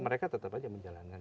mereka tetap saja menjalankan